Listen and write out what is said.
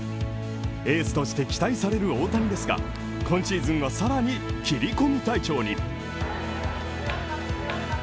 エースとして期待される大谷ですが今シーズンは更に切り込み隊長に。